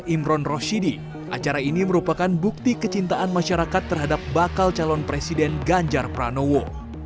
imron roshidi acara ini merupakan bukti kecintaan masyarakat terhadap bakal calon presiden ganjar pranowo